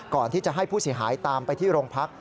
ก่อนที่จะให้ผู้เสียหายตามไปที่โรงพัก